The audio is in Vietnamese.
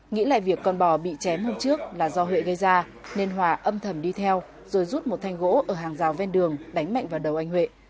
nghĩ lại việc con bò bị chém hôm trước là do huệ gây ra nên hòa âm thầm đi theo rồi rút một thanh gỗ ở hàng rào ven đường đánh mạnh vào đầu anh huệ